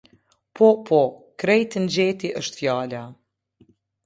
Po, po, krejt ngjeti është fjala.